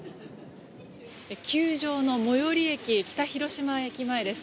球場の最寄り駅北広島駅前です。